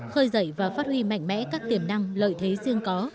khơi dậy và phát huy mạnh mẽ các tiềm năng lợi thế riêng có